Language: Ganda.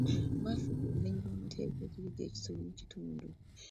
Bwafuuka obumenyi bw'amateeka okuyigga ekisolo mu kitundu.